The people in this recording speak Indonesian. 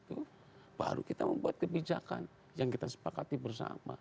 itu baru kita membuat kebijakan yang kita sepakati bersama